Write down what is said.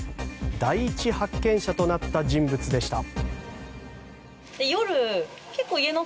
第一発見者となった人物でした。